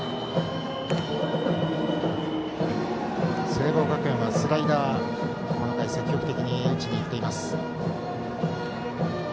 聖望学園はスライダーこの回、積極的に打ちにいっています。